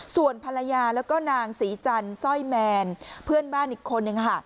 ส่วนภรรยาแล้วก็นางศรีจันทร์สร้อยแมนเพื่อนบ้านอีกคนนึงค่ะ